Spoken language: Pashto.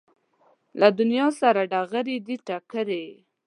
له دنیا سره ډغرې دي ټکرې